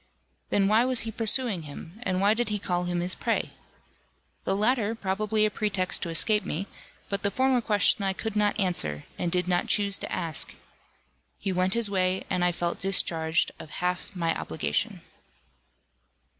Then why was he pursuing him, and why did he call him his prey? The latter, probably a pretext to escape me, but the former question I could not answer, and did not choose to ask. He went his way, and I felt discharged of half my obligation.